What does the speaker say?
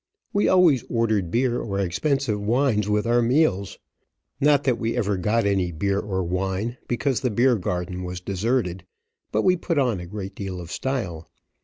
We always ordered beer or expensive wines with our meals. Not that we ever got any beer or wine, because the beer garden was deserted, but we put on a great deal of style.